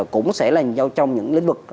cũng sẽ là trong những lĩnh vực